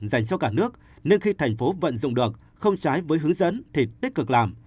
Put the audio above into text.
dành cho cả nước nên khi thành phố vận dụng được không trái với hướng dẫn thì tích cực làm